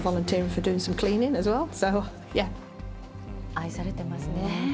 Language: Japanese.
愛されてますね。